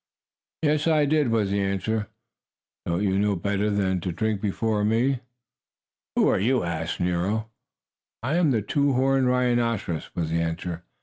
"Yes, I did," was the answer. "Don't you know better than to drink before me?" "Who are you?" asked Nero. "I am the two horned rhinoceros," was the answer.